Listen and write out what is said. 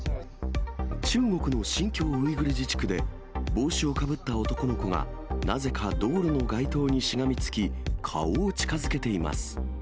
中国の新疆ウイグル自治区で、帽子をかぶった男の子が、なぜか道路の街灯にしがみつき、顔を近づけています。